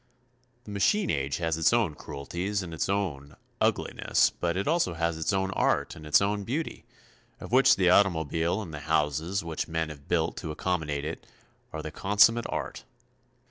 The machine age has its own cruelties and its own, ugliness, but it also has its own art and its own beauty, of which the automobile and the houses which men have built to accommodate it, are the consummate art.